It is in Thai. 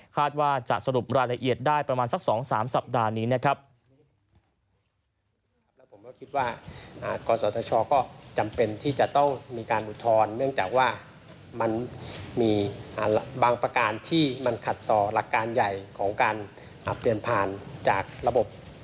ว่าจะสรุปรายละเอียดได้ประมาณสัก๒๓สัปดาห์นี้นะครับ